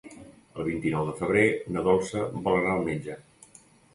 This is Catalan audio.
El vint-i-nou de febrer na Dolça vol anar al metge.